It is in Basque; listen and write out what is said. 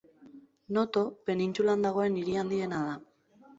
Noto penintsulan dagoen hiri handiena da.